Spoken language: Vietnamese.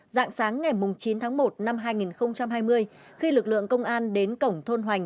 dạng sáng ngày chín tháng một năm hai nghìn hai mươi khi lực lượng công an đến cổng thôn hoành